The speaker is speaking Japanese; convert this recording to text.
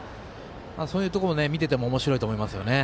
そういうところを見ててもおもしろいと思いますよね。